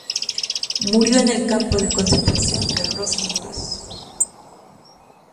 Murió en el campo de concentración de Rosen-Gross.